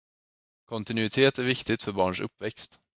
Kontinuitet är viktigt för barns uppväxt.